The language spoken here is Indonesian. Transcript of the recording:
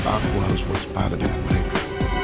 aku harus waspada dengan mereka